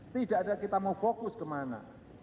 tidak ada kita mau fokus ke mana